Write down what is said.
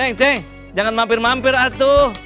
eh ceng jangan mampir mampir atuh